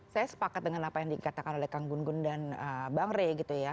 saya sepakat dengan apa yang dikatakan oleh kang gunggun dan bang rey gitu ya